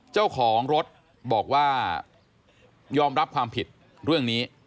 เจ้าของรถบอกว่ายอมรับความผิดเรื่องนี้